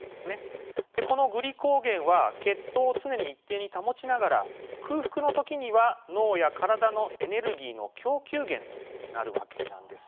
このグリコーゲンは血糖を常に一定に保ちながら空腹のときには脳や体のエネルギーの供給源となるわけなんです。